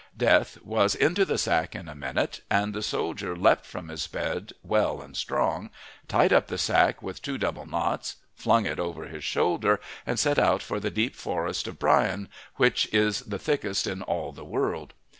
Death was into the sack in a moment, and the soldier leapt from his bed well and strong, tied up the sack with two double knots, flung it over his shoulder and set out for the deep forest of Brian, which is the thickest in all the world.